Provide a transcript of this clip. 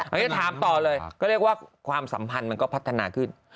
อันนี้ถามต่อเลยก็เรียกว่าความสัมพันธ์มันก็พัฒนาขึ้น